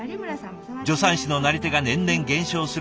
助産師のなり手が年々減少する中